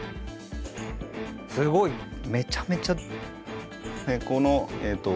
すごい。めちゃめちゃ。